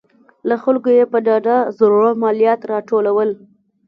له خلکو یې په ډاډه زړه مالیات راټولول